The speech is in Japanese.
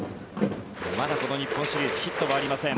まだこの日本シリーズヒットはありません。